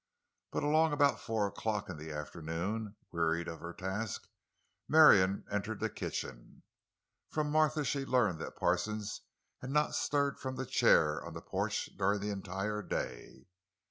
But along about four o'clock in the afternoon, wearied of her task, Marion entered the kitchen. From Martha she learned that Parsons had not stirred from the chair on the porch during the entire day.